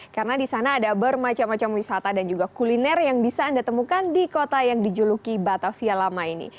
karena di sana ada bermacam macam wisata dan juga kuliner yang bisa anda temukan di kota yang dijuluki batavia lama ini